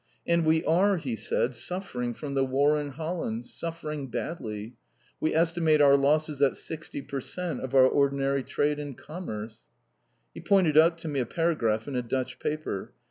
"And we are," he said, "suffering from the War in Holland suffering badly. We estimate our losses at 60 per cent, of our ordinary trade and commerce." He pointed out to me a paragraph in a Dutch paper.